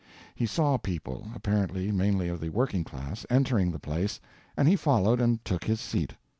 He saw people, apparently mainly of the working class, entering the place, and he followed and took his seat.